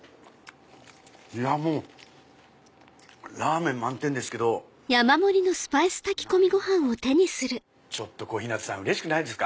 いやもうラーメン満点ですけど何だかちょっと小日向さんうれしくないですか？